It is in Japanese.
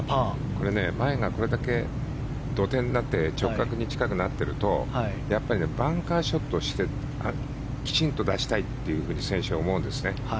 これ、前がこれだけ土手になって直角に近くなってるとやっぱりバンカーショットをしてきちんと出したいと選手は思うんですね。